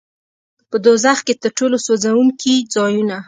په دوزخ کې تر ټولو سوځوونکي ځایونه.